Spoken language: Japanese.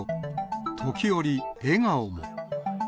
時折、笑顔も。